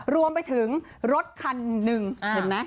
รวมไปถึงรถคันหนึ่งเห็นไหม